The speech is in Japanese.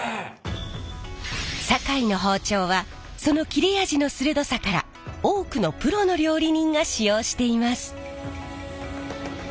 堺の包丁はその切れ味の鋭さから多くのプロの料理人が使用しています。